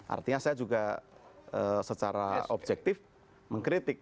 artinya saya juga secara objektif mengkritik